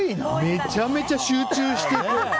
めちゃめちゃ集中して。